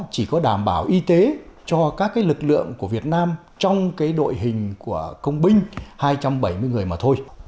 chỉ có đảm bảo y tế cho các lực lượng của việt nam trong đội hình của công binh hai trăm bảy mươi người mà thôi